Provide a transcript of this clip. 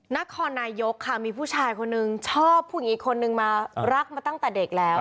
นครนายกค่ะมีผู้ชายคนนึงชอบผู้หญิงอีกคนนึงมารักมาตั้งแต่เด็กแล้ว